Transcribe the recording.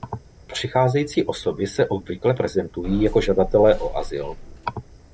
Přicházející osoby se obvykle prezentují jako žadatelé o azyl.